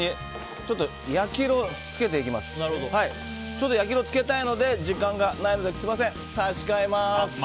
ちょっと焼き色つけたいので時間がないので差し替えます。